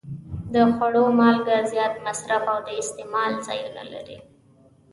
د خوړو مالګه زیات مصرف او د استعمال ځایونه لري.